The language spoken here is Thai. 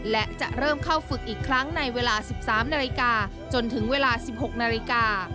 และจะเริ่มเข้าฝึกอีกครั้งในเวลา๑๓นาฬิกาจนถึงเวลา๑๖นาฬิกา